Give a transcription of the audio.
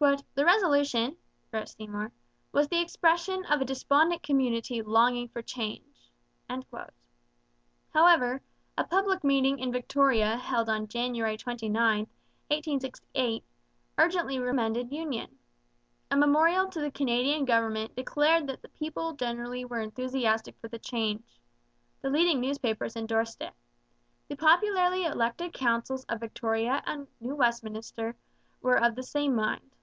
'The resolution,' wrote Seymour, 'was the expression of a despondent community longing for change.' However, a public meeting in Victoria held on January 29, 1868, urgently recommended union. A memorial to the Canadian government declared that the people generally were enthusiastic for the change. The leading newspapers endorsed it. The popularly elected councils of Victoria and New Westminster were of the same mind.